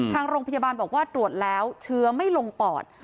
ทางโรงพยาบาลบอกว่าตรวจแล้วเชื้อไม่ลงปอด